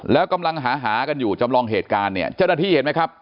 แล้วกำลังหาหากันอยู่จำลองเหตุการณ์เนี่ยเจ้าหน้าที่เห็นไหมครับ